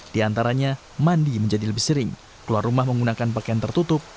di antaranya mandi menjadi lebih sering keluar rumah menggunakan pakaian tertutup